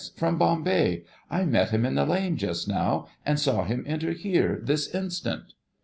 From Bombay. I met him in the lane just now, and saw him enter here, this instant.'